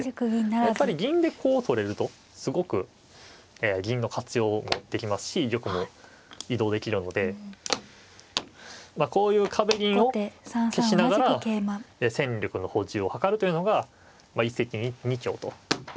やっぱり銀でこう取れるとすごく銀の活用もできますし玉も移動できるのでこういう壁銀を消しながら戦力の補充を図るというのが一石二鳥と。